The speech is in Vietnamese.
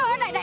cháu đi nhá